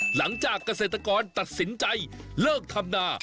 หลังจากเกษตรกรตัดสินใจเลิกทำนา